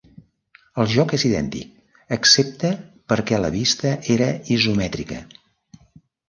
El joc és idèntic, excepte perquè la vista era isomètrica.